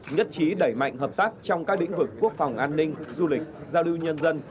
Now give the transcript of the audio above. nhất trí đẩy mạnh hợp tác trong các lĩnh vực quốc phòng an ninh du lịch giao lưu nhân dân